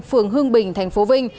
phường hương bình thành phố vinh